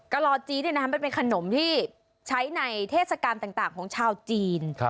กลอดจี้เนี่ยนะครับมันเป็นขนมที่ใช้ในเทศกาลต่างของชาวจีน